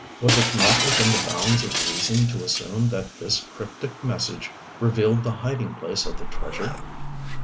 Was it not within the bounds of reason to assume that this cryptic message revealed the hiding place of the treasure?